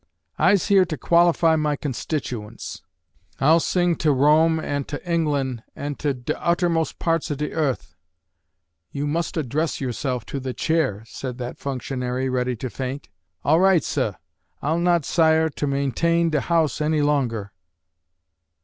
"I'se here tuh qualify my constituents. I'll sing tuh Rome an' tuh Englan' an' tuh de uttermos' parts uh de uth." ("You must address yourself to the chair," said that functionary, ready to faint.) "All right, suh, I'll not 'sire tuh maintain de House any longer."